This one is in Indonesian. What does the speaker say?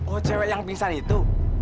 oh cewek yang pingsan itu